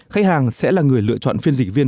khách hàng sẽ là người lựa chọn phiên dịch viên